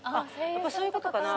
そういうことかな？